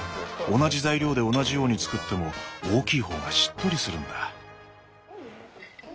同じ材料で同じように作っても大きい方がしっとりするんだ。